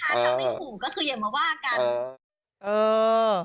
ถ้าไม่ถูกก็คืออย่ามาว่ากัน